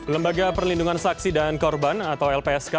lembaga perlindungan saksi dan korban atau lpsk